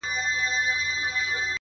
o له مودو وروسته يې کرم او خرابات وکړ؛